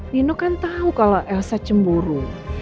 nino kan tahu kalau elsa cemburu